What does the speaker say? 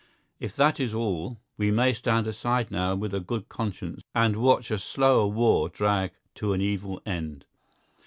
If that is all, we may stand aside now with a good conscience and watch a slower war drag to an evil end.